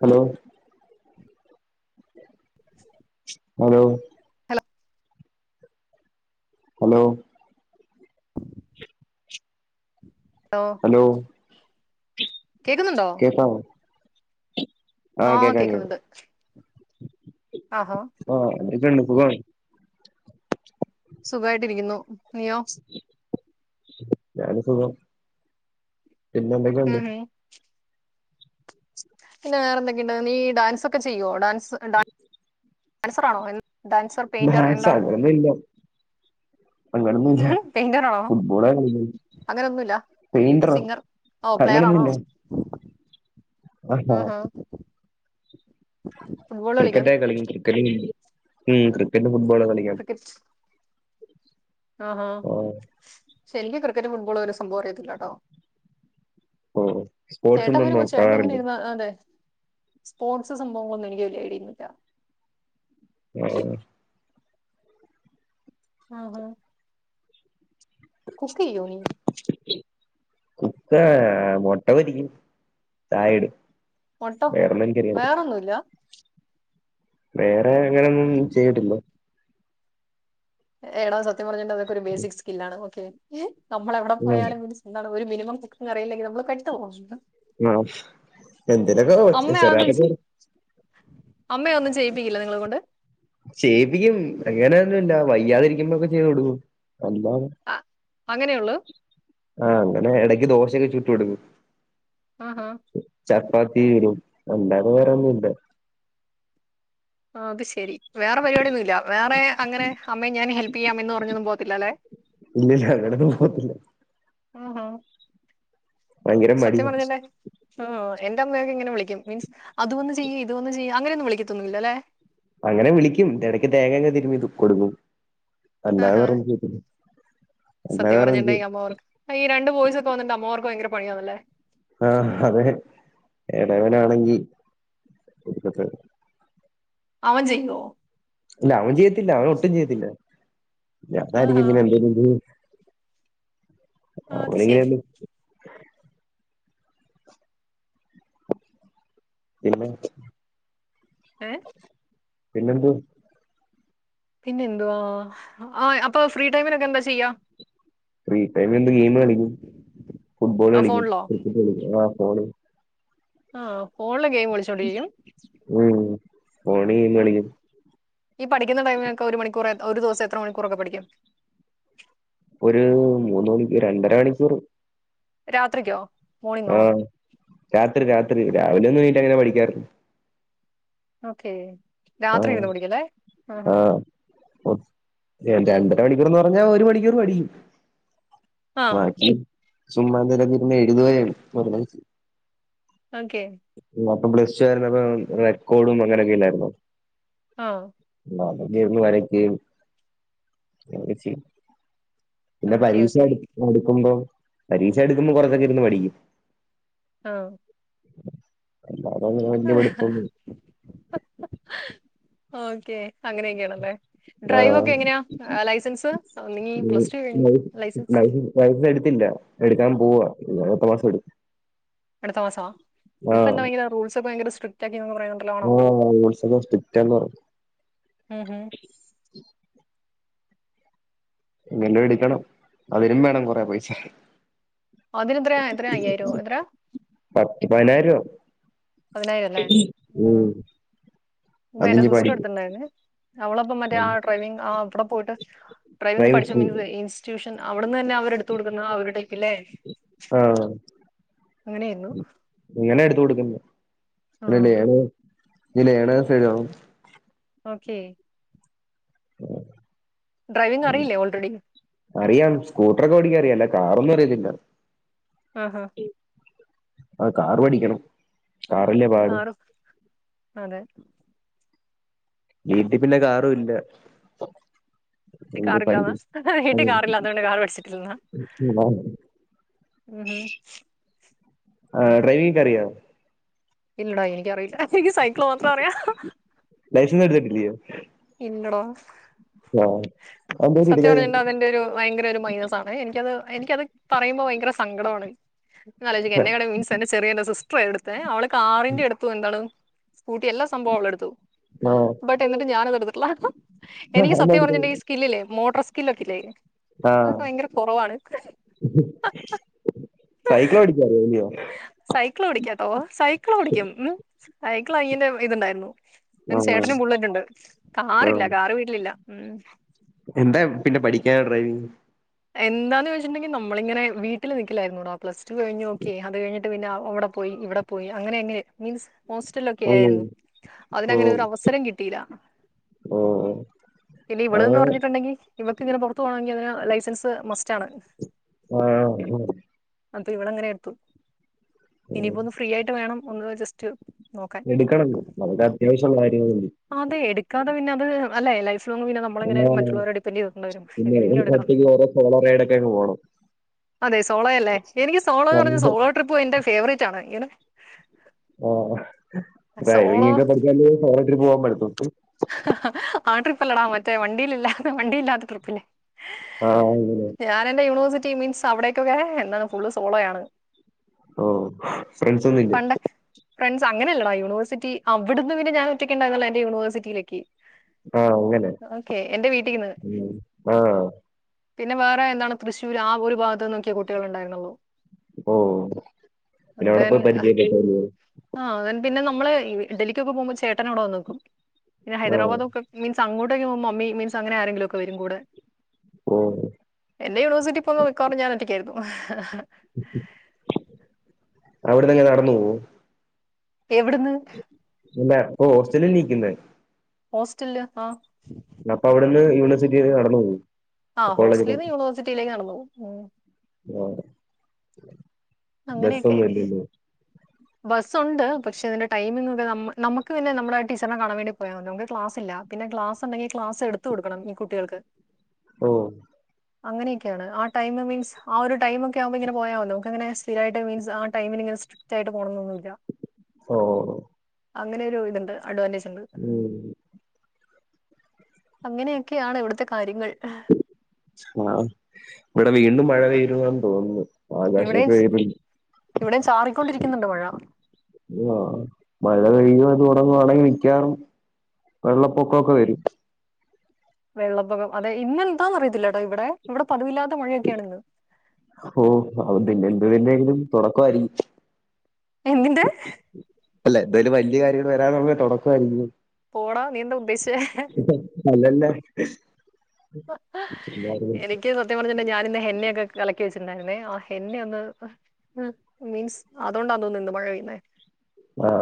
Hello hello hello hello hello കേക്കുന്നുണ്ടോ കേക്കാവൊ ആ കേക്ക്ന്ന്ണ്ട് ആ ഹാ എന്തെക്കേണ്ട് സുഗാണോ സുഖവായിട്ടിരിക്കുന്നു നിയോ ഞാന് സുഖം പിന്നെ എന്തെക്കെയ്ണ്ട് ഉം ഉം പിന്നെ വേറെന്തൊക്കെയ്ണ്ട് നീ ഡാൻസൊക്കെ ചെയ്യോ ഡാൻ ൻസ് ഡാ ഡാൻസർ ആണോ ഡൻസർ പെയിന്റർ ഡാൻസ് എന്താണ് അങ്ങനൊന്നുല്ല അങ്ങനൊന്നുല്ല പെയിന്ററാണോ ഫുട്ബോളാ കളിക്കുന്നെ അങ്ങനൊന്നുല്ല പെയിന്ററോ സിങ്ങർ ഓ പ്ലയറാണോ ആ ക്രിക്കറ്റ കളിക്കും ക്രിക്കറ്റ [unintelligible] ഉം ക്രിക്കറ്റും ഫുട്ബോള് കളിക്കാം ആ ആ ആഹ് ഷേനിക്ക് ക്രിക്കറ്റും ഫുട്ബോളും ഒരു സംഭവം അറിയത്തില്ലട്ടോ മ്മ് മ്മ് സ്പോർട്സ് ഒന്നും എങ്ങനെ നോക്കാറില്ലേ ഇരുന്ന അതെ സ്പോർട്സ് സംഭവങ്ങളൊന്നും എനിക്ക് വലിയ ഐഡിയൊന്നില്ല ആ ആ ആ കുക്കേയ്യോ നീ കുക്ക് മുട്ട പൊരിക്കും ചായയിടും ഒട്ട വേറൊന്നുംല്ല വേറെ അങ്ങനെയൊന്നും ചെയ്തിട്ടില്ല. എടാ സത്യം പറഞ്ഞ അതൊക്കെ ഒരു ബേസിക്ക് സ്കില്ലാണ്. ഏ നമ്മളെവിടെ ആഹ് പോയാലും [inaudible] ഒരു മിനമം കുക്കിങ്ങറിയില്ലെങ്കി നമ്മള് പെട്ട പോകുന്നത് ആ [inaudible] അമ്മ ഒന്നും ചെയ്യിപ്പിക്കില്ല നിങ്ങളെ കൊണ്ട് ചെയ്യിപ്പിക്കും അങ്ങനെയൊന്നുംല്ല വയ്യാതി ഇരിക്കുമ്പോക്കെ ചെയ്തു കൊടുക്കും അല്ലാതെ അങ്ങനെയൊള്ളു. ആ അങ്ങനെ ഇടക്ക് ദോശയൊക്കെ ചുട്ട് കൊടുക്കും. ആ ആ [unintelligible] അല്ലാതെ വേറൊന്നും ഇല്ല അത് ശെരി വേറെ പരിപാടിയന്നുമില്ല വേറെ അങ്ങനെ അമ്മയെ ഞാൻ ഹെൽപ് ചെയ്യാം എന്ന് പറഞ്ഞൊന്നും പോകത്തില്ല അല്ലെ. ഇല്ലില്ല അങ്ങനൊന്നും പോകത്തില്ല ആ ആ ഭയങ്കര സത്യം മടിയാ പറഞ്ഞല്ലേ ഉ എന്റെ അമ്മയൊക്കിങ്ങനെ വിളിക്കും മീൻസ് അത് വന്ന് ചെയ് ഇത് വന്ന് ചെയ്യ് അങ്ങനെ ഒന്നും വിളിക്കത്തൊന്നുമില്ല അല്ലേ അങ്ങനെ വിളിക്കും ഇടക്ക് തേങ്ങക്കെ തിരുമി കൊടുക്കും ആഹ അല്ലാതെ വേറൊന്നും ചെയ്യത്തില്ല അല്ലാതെ സത്യം വേറൊന്നും പറഞ്ഞിട്ടണ്ട ചെയ്യ ഈ അമ്മ്മാർക്ക് ഈ രണ്ടു ബോ യിസൊക്കെ വന്നിട്ടുണ്ടെ അമ്മ്മാർക്ക് ഭയങ്കര പണിയ അല്ലേ ആ അതെ എളേവനാണെങ്കി ഒടുക്കത്തെ അവൻ ചെയ്യുവോ? ഇല്ല, അവൻ ചെയ്യത്തില്ല. അവൻ ഒട്ടും ചെയ്യത്തില്ല. ഞാനാരിക്കും ആഹാ ഇങ്ങനെ എന്തേലും ഇത് ആ, അത് ശരി [unintelligible] പിന്നെ? ഏ പിന്നെന്തുവാ? പിന്നെന്തുവാ? ആ അപ്പൊ ഫ്രീ ടൈമിനൊക്കെ എന്താ ചെയ്യാ? ഫ്രീ ടൈമിലിരുന്ന് ഗെയിമ് കളിക്കും. ഫുട്ബോള് ആ, കളിക്കും. ഫോണിലോ ക്രിക്കറ്റ് കളിക്കും. ആ ഫോണി ആ [unintelligible] ഗെയിമ് കളിച്ചോണ്ടിരിക്കും. ഉം ഫോണിൽ ഗെയിം കളിക്കും ഈ പഠിക്കുന്ന ടൈമിലൊക്കെ ഒര് മണിക്കൂറ് ഒരു ദിവസം എത്ര മണിക്കൂറൊക്കെ പഠിക്കും ഒരു മൂന്ന് മണിക്കൂർ രണ്ടര മണിക്കൂർ രാത്രിക്കോ ആ മോർണിംഗോ രാത്രി രാത്രി രാവിലെ ഒന്നും എണീറ്റ് അങ്ങനെ പഠിക്കാറില്ല ഓക്കെ ആ രാത്രി ഇരുന്ന് പഠിക്കുല്ലേ ആ രണ്ടര മണിക്കൂർന്ന് പറഞ്ഞാ ഒരു മണിക്കൂർ പഠിക്കും ആ ബാക്കി ചുമ്മാ തിരുന്ന് എഴുതുകയാണ് [unintelligible] ഓക്കെ പ്ലസ് ടു ആയിരുന്നപ്പം റെകോഡും അങ്ങനെയൊക്കെ ഇണ്ടായിരുന്നു ആ പുതിയതൊന്ന് വരക്കുകയും [unintelligible] ചെയ്യും പിന്നെ ഓക്കെ പരീക്ഷ ഓക്കെ അട് അട്ക്കുമ്പോ പരീക്ഷ അടുക്കുമ്പോൾ കൊറച്ചൊക്കെ ഇരുന്ന് പഠിക്കും ആ അല്ലാതെ അങ്ങനെ ആ വലിയ ഹാ പഠിത്തൊന്നും ഓക്കെ അങ്ങനെയൊക്കെയാണല്ലേ ആ ഡ്രൈവ് ഒക്കെ എങ്ങനെയാ ലൈസൻസ് നീ പ്ലസ്ടു കഴിഞ്ഞ് ലൈസൻസ് ലൈസൻസ് എടുത്തില്ല എടുക്കാൻ പോവാ അടുത്ത മാസം എടു അടുത്ത മാസാ ഇപ്പൊ എന്താ ഭയങ്കര റൂൾസ് ഒക്കെ ഭയങ്കര സ് [unintelligible] ഓ റൂൾസ് എല്ലാം സ്ട്രിക്റ്റ് ആണെന്ന് പറഞ്ഞു ഉം ഉം. എങ്ങനേം എടുക്കണം അതിനും വേണം കൊറെ പൈസ അതിനത്രയാ എത്രയാ അയ്യായിരോ എത്രെയാ പത്ത് പയ്നായിരൂപാവും പതിനായിരംല്ലേ വേ എന്റെ അതിഞ്ഞ് സിസ്റ്റർ പഠിക്കും എടുത്തിണ്ടായിര്ന്ന് അവളപ്പം മറ്റേ ആ ഡ്രൈവിങ്ങ് ആ അവടെ പോട്ട് ഡ്രൈവിങ് പ്രൈവറ്റ് പഠിച്ചു സ്കൂൾ മിൻസ് ഇൻസ്റ്റു [unintelligible] അവിടന്ന് തന്നെ അവർ എടുത്ത് കൊടുക്കുന്ന ആഒരുടൈപ്പില്ലേ ആഹ് അങ്ങനെയരുന്നു റേഡിആയോ അത് ഇനി ലേണേയ്സ് എഴുതണം ഓക്കെ ഡ്രൈവിംഗ് അറിയില്ലേ ഓൾറെഡി അറിയാം സ്കൂട്ടർ ഒക്കെ ഓടിക്ക ഇല്ല കാറൊന്നും അറിയത്തില്ല ആ ഹാ ആ കാറ് പഠിക്കണം കാറല്ലേ പാട് ആറോ അതെ വീട്ടിപ്പിന്നെ കാറു ഇല്ല ഒ ട്ടി കാറില്ലാന്നാ വീട്ടി കാറില്ലാത്തോണ്ട് കാറ് പഠിച്ചിട്ടില്ലന്നാ മ്ഹ് ആ ഡ്രൈവിംഗ്കൊ അറിയാവോ ഇല്ലെടാ എനിക്കറിയില്ല എനിക്ക് സൈക്കിൾ മാത്ര അറിയ ലിയൊ ഇല്ലടാ അതെന്താ സത്യം എടുക്കാഞ്ഞേ പറഞ്ഞണ്ട അതിന്റെ ഒരു ഭയങ്കര ഒരു മൈനസ് ആണ് എനിക്കത് എനിക്കത് പറയുമ്പോ ഭയങ്കര സങ്കടാണ് നാലേയ്ചൊക്ക്യ എന്നെ കാളും മിൻസ് എന്നെ ചെറിയ എന്റെ സിസ് പ്പൊ എടുത്തേ അവള് കാറിന്റെടുത്തു എന്താണ് സ്കൂട്ടി എല്ലാം സംഭവളെടുത്തു ആഹ് ബട്ട് എന്നിട്ട് ഞാന [unintelligible] എനിക്ക് അതെന്താ സത്യം പറഞ്ഞി ന്റീ സ്കില്ലില്ലേ മോട്രസ് കില്ലൊക്കില്ലേ ആ സൈക്കളോടിക്കറിയൊല്ലിയോ സൈക്കിളോടിക്കാട്ടോ സൈക്കിൾ ഓടിക്കും ഉം ഐക്കിള് അയ്യന്റെ ഇതുണ്ടായിരുന്നു പിന്നെ ആഹ് ചേട്ടന് ബുള്ളറ്റുണ്ട് കാറില്ല ആഹ് കാർ വീട്ടിലില്ല ഉം എന്താ പിന്നെ പഠിക്കായെ ഡ്രൈവിങ് എന്താന്ന് വെച്ചിട്ടെങ്കി നമ്മളിങ്ങനെ വീട്ടില് നിക്കില്ലായിരുന്നോടാ പ്ലസ് ത്ത് കഴിഞ്ഞോക്കെ അത് കഴിഞ്ഞ് പിന്നെ അവ്ടെ പോയി ഇവ് ടെ പോയി അങ്ങനെ എങ്ങനെ മീൻസ് ഹോസ്റ്റലൊക്കെ ഓഹ് ആയിരുന്നു അതിനങ്ങനെ ഓഹ് ഒരു അവസരം കിട്ടിയില്ല ഓഹ് പിന്നെ അത് ഇവടിന്ന് പറഞ്ഞിട്ടുണ്ടെങ്കിൽ ഇവക്കിങ്ങനെ പുറത്ത് പോണോങ്കി എന്തിനാ ലൈസൻസ് പ്പ് മസ്റ്റാണ് ആ ഒ അന്തു ഇവളങ്ങനെ എടുത്തു ഇനിയിപ്പോ ഒന്ന് ഫ്രീ ആയിട്ട് വേണം ഒന്ന് ജസ്റ്റ് നോക്കാൻ എടുക്കണം അതൊക്ക അത്യാവശ്യം ഒള്ള കാര്യങ്ങൾ അല്ലെ അതേ എടുക്കാതെ പിന്നെ അത് അല്ലെ ലൈ [unintelligible] പിന്നെ എങ്ങനെങ്കിലും എടുക്കണം ഒറ്റയ്ക്ക് ഓരോ സോളോ റൈഡോക്കെ അങ്ങ് പോണം. അതെ സോളോയല്ലേ എനിക്ക് സോളോ എന്ന് പറഞ്ഞ സോളോ ട്രിപ്പ് എന്റെ ഫേവറേറ്റ് ആണ്. അയ്യടാ ഓ ഡ്രൈവിംഗ് ഒക്കേ പഠിച്ചാലല്ലെ സോളോ ട്രിപ്പ്‌ പോവാൻ പറ്റത്തോളു. ആ ട്രിപ്പ് അല്ലടാ മറ്റേ വണ്ടീലല്ലാത്ത വണ്ടി ഇല്ലാത്ത ട്രിപ്പില്ലേ ആഹ് അങ്ങനെ ഞാൻ എന്റെ യൂണിവേഴ്സി റ്റി മീൻസ് അവിടേക്കൊക്കെ എന്താണ് ഫുള് സോളോയാണ്. ഓ ഫ്രണ്ട്സ്‌ ഒന്നുവില്ലേ? പണ്ട് ഫ്രണ്ട്സ് അങ്ങനെയല്ലടാ യൂണേഴ്സിറ്റി അവിടുന്ന് പിന്നെ ഞാൻ ഒറ്റക്കുണ്ടായിരുന്നുള്ളൂ എന്റെ യൂണേഴ്സ് റ്റിയിലേക്ക് ആഹ് അങ്ങനെ വീട്ടീന്ന്. ഉം ആഹ് പിന്നെ വേറെ എന്താണ് തൃശ്ശൂര് ആ ഒരു ഭാഗത്ത് നിന്നൊക്കെയേ കുട്ടികള് ഉണ്ടായിരുന്നുള്ളൂ. ഓ പിന്നെ അവിടെ ദെൻ പോയി പരിചയപെട്ട് അല്ലെ ആ ദെൻ പിന്നെ നമ്മള് ഈ ഡല്ലിക്കൊക്കെ പോകുമ്പോ ചേട്ടനവിടെ വന്ന് നിക്കും. പിന്നെ ആഹ് ഹൈദരാബാദ് ഒക്കെ മീൻസ് അങ്ങോ ട്ടൊക്കെ പോകുമ്പോ മമ്മി മീൻസ് അങ്ങനെ ആരെങ്കിലും ഒക്കെ വരും കൂടെ ഓഹ് എന്റെ യൂണിവേഴ്സിറ്റി പോകുന്ന മിക്കാവാറും ഞാനോറ്റക്കായിരുന്നു. ഇഹ ഇഹ അവിടെന്നെങ്ങനെ നടന്നു പോവോ? എവിടെന്ന്? ഓ ഹോസ്റ്റലി നീക്കുന്നെ? ഹോസ്റ്റലില് ആഹ് അപ്പൊ അവിടുന്ന് യൂണിവേഴ്സിറ്റി വരേ നടന്നു പോവും. ആ കോളേജ് കാ ഹോസ്റ്റലിന്ന് യൂണിവേഴ്സിറ്റിയിലേക്ക് നടന്നു ഉം ആഹ് ബസ്സൊന്നും ഇല്ലല്ലേ ബസ്സ് ഒണ്ട് പക്ഷെ അതിന്റെ ടൈമിംഗ് ഒക്കെ നമ് നമ്മക്ക് പിന്നെ നമ്മടെ ടീച്ചറിനെ കാണാൻ വേണ്ടി പോയാ മതി നമുക്ക് ക്ലാസ് ഇല്ല പിന്നെ ക്ലാസ് ഒണ്ടെങ്കി ക്ലാസ് എടുത്തു കൊടുക്കണം ഈ കുട്ടികൾക്ക്. ഓ അങ്ങനെയൊക്കെയാണ് ആ ടൈം മീൻസ് ആ ഒരു ടൈമൊക്കെ ആകുമ്പോ ഇങ്ങനെ പോയാ മതി. നമുക്കങ്ങനെ സ്ഥിരായിട്ട് മീൻസ് ആ ടൈമിനിങ്ങനെ സ്ട്രി ക്റ്റ് ആയിട്ട് പോണന്നൊന്നുമില്ല. ഓ അങ്ങനെ ഒരു [unintelligible] ഉം അങ്ങനെയൊക്കെയാണ് ഇവിടുത്തെ കാര്യങ്ങൾ ആ ഇവിടെ വീണ്ടും മഴ [unintelligible] തോന്നുന്നു ഇവിടെയും ഇവിടെയും ചാറിക്കൊണ്ടിരിക്കുന്നുണ്ട് മഴ ആഹ് മഴ [unintelligible] വെള്ളപ്പൊക്കമൊക്കെ വരും വെള്ളപ്പൊക്കം അതെ ഇന്നെന്താ അറിയത്തില്ല കേട്ടോ ഇവിടെ ഇവിടെ പതിവില്ലാത്ത മഴയൊക്കെയാണ് ഇന്ന് ഓ [unintelligible] തുടക്കമായിരിക്കും എന്തിന്റെ അല്ല എന്തായാലും വല്യ കാര്യങ്ങൾ വരാനുള്ളതിന്റെ തൊടക്കായിരിക്കുംമ്ന്ന് പോടാ നീന്താ ഉദ്ദേശിച്ചേ അല്ലല്ല എനിക്ക് സത്യം പറഞ്ഞണ്ടേ ഞാനിന്നെ എണ്ണയൊക്കെ കലക്കി വെച്ചിട്ട്ണ്ടായിരുന്നേ ആ എണ്ണയൊന്ന് ഒന്ന് മീൻസ് അതുകൊണ്ടാന്ന് തോന്നുന്നു ഇന്ന് മഴ പെയ്യുന്നേ ആ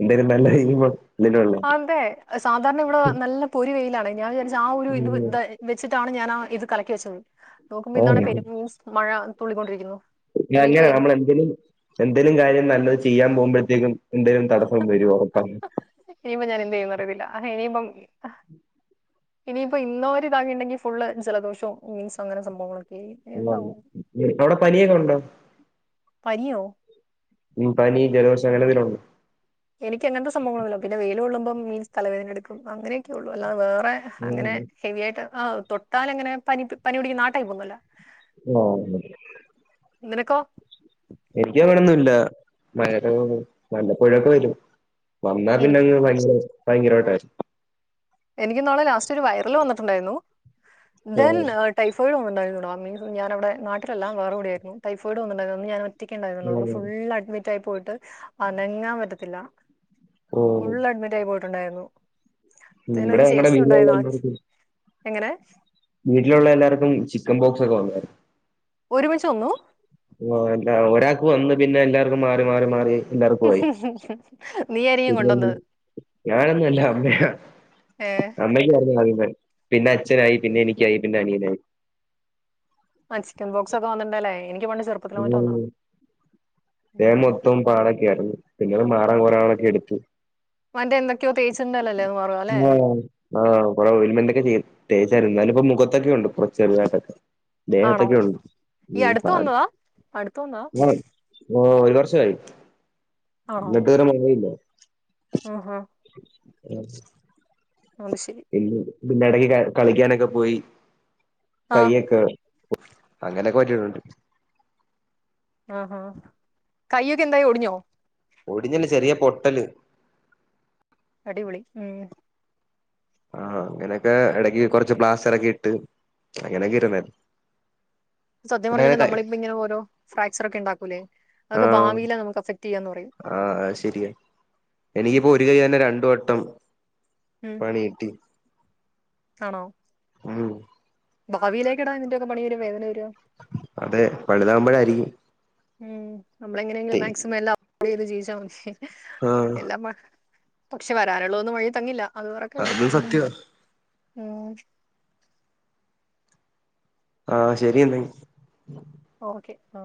എന്തായും നല്ല [unintelligible] അതെ സാധാരണ ഇവിടെ നല്ല പൊരി വെയ് ലാണെ ഞാൻ വിചാരിച് ആ ഒരു ഇത് ഇത വെച് ട്ടാണ് ഞാനാ ഇത് കലക്കി വെച്ചത് നോക്കുമ്പോ ആ ഇന്നാണേ പെരുംമഴ തുള്ളിക്കൊണ്ടിരിക്കുന്നു ഇനിയിപ്പോ അങ്ങനെ നമ്മൾ എന്ത് എന്തേലും എന്തേലും കാര്യം നല്ലത് ചെയ്യാൻ പോകുമ്പോഴ ത്തിനും എന്തേലും തടസ്സം വരും ഒറപ്പാ റിയത്തില്ല ഹേമം ഇനിയിപ്പോ ഇന്നോ [unintelligible] ഫുള്ള് ജലദോഷോ മീൻസ് അങ്ങനെ സംഭവങ്ങളൊ [unintelligible] ആ അവിടെ പനിയെങ്ങനെ ഉണ്ട് പനിയോ ഉം പനി ജലദോഷം അങ്ങനെ [unintelligible] എനിക്ക് അങ്ങനത്തെ സംഭവങ്ങളൊന്നുമില്ല പിന്നെ വെയിൽ കൊള്ളുമ്പം മീൻസ് തലവേദനെടുക്കും അങ്ങനെയൊക്കെ ഉള്ളൂ അല്ലാതെ വേ പ്പഴ് അങ്ങനെ ഉണ്ടോ ഹെവി ആയിട്ട് ആ തൊ [unintelligible] അങ്ങനെ പനി പനി പിടികുന്നാടൈപ്പൊന്നല്ല ആ നിനക്കോ എനക്കിവടൊന്നുല്ല [unintelligible] വല്ലപ്പോഴൊക്കെ വരും വന്നാ എനിക്ക് പിന്നങ്ങ് [unintelligible] ഭയങ്കരായിട്ടായിരിക്കും എനിക്ക് നാളെ ലാസ്റ്റ് ഒരു വൈറൽ വന്നിട്ടുണ്ടായിരുന്നു ത് ആഹ് എന്നാ ടൈഫോയിഡ [unintelligible] [unintelligible] ഞാന അവിടെ നട്ടിലെല്ല വേ കട ആയിരുന്ന ടൈഫോഡ് വന്നുണ്ടായി അന്ന് ഞാൻ റ്റക്കെ ഉണ്ടയന്നുള്ളു ആഹ് ഫുൾ അഡ്മിറ്റ് റ്റായി പോയിട്ട് അനങ്ങാൻ പറ്റത്തില്ല ആഹ് ഫുൾ അഡ്മിറ്റ് ആയി പോ ട്ടുണ്ടായിരുന്നു ഇവിടെ ഞങ്ങടെ വീ എങ്ങനെ വീട്ടിലുള്ള എല്ലാർക്കും ചിക്കൻ ബോക്സ്ഒക്കെ വന്നാരുന്നു ഒരുമിച്ച വന്നു ഒരാൾക്ക് വന്ന് പിന്നെ എല്ലാവർക്കും മാറി മാറി മാറി എല്ലാവർക്കും ഉ ആയി ഉ ഉ പിന്നെ ഞാനൊന്നുംല്ല അമ്മ ഏ അമ്മക്ക് പറഞ്ഞ അതിൻ പിന്നെ അച്ഛനായി പിന്നെ എനിക്കായി പിന്നെ അനിയനായി ആ ചിക്കൻ ബോക്സ് ഒക്കെ വന്നിണ്ടല്ലേ എനിക്ക് വണ്ട് ചെറുപ്പത്തിലിലോമീറ്റ വന്ന ഞ മൊത്തം പാടൊക്കെ ആയിരുന്നു പിന്നെത് മാറാൻ കൊറേ നളൊക്കെ എടുത്തു മറ്റേ എന്തൊക്കെയോ തേച്ചിട്ടുണ്ടല്ലേ എന്ന് പറയുക അല്ലേ ആ ആഹ കൊ വ മന്തക്കച്ച ചെയ [unintelligible] തേച്ചായിരുന്ന എന്നാലിപ്പൊ മുഖത്തൊക്കെ ഉണ്ട് കുറ ചെറതായിട്ടൊക്കെ ആണോ ഈ അടുത്ത പാട വന്നതാ അടുത്ത വന്നവാ ആ ഒരു വർഷായി ആണോ എന്നിട്ട് ഇതുവര മാറിയില്ല ആഹാ ആ അള് ശരി പിന്നെടക്ക് ക കളിക്കാനൊക്കെ പോയി ആ കൈയ്യക്കെ അങ്ങനൊക്കെ വറ്റിടുണ്ട് ആ കയ്യൊക്കെ എന്തായി ഒടിഞ്ഞോ ഒടിഞ്ഞില്ല ചെറിയ പൊട്ടല് അടിപൊളി ഉം ആ അങ്ങനെക്കെ ഇടക്ക് കൊറച്ച് പ്ലാസ്റ്ററൊക്കെ ഇട്ട് അങ്ങനെക്കെ ഇരുന്നല് സത്യം പറഞ്ഞാ നമ്മളിപ്പ ഇങ്ങനെ ഓരോ ഫ്രാക്ചർ ഒക്കെ ഉണ്ടാക്കൂലേ അത് ഭാവിലാ നമക്ക് അ ആ അത് ശരിയാ എനിക്കിപ്പോ ഒ തി കഴിയാനെ രണ്ടുവട്ടം ഉം പണികിട്ടി ഉം ഭാവിയിലേക്ക് എടാ നിന്റെയൊക്കെ പണിയൊരു വേദന ആയി അതെ പണിതാവുമ്പഴാരിക്കും ഉം നമ്മളെങ്ങനെകിലും മാക്സിമം എല്ലാ പണിയ്ത് ജീവിച്ചാ മതി. ഹ് ആ പക്ഷെ വരാനുള്ളതൊന്നും വഴി തങ്ങില്ല. അതും സത്യവാ [unintelligible] ഉം ഊം ആ ശെരി ഇന്ന് ഓക്കെ ആ